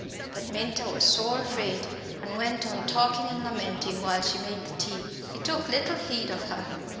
But Minta was sore afraid, and went on talking and lamenting while she made the tea. He took little heed of her.